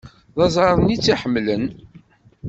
D aẓar-nni i tt-iḥemmlen.